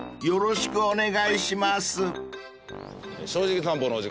よろしくお願いします。